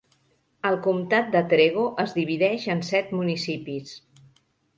El comtat de Trego es divideix en set municipis.